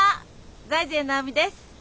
財前直見です。